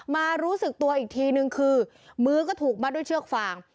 รู้สึกตัวอีกทีนึงคือมือก็ถูกมัดด้วยเชือกฟาง